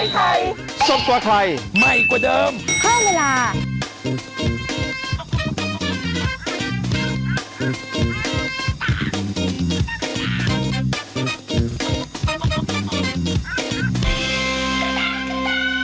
โปรดติดตามตอนต่อไป